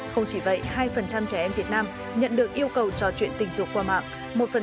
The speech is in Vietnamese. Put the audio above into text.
không chỉ vậy hai trẻ em việt nam nhận được yêu cầu trò chuyện tình dục qua mạng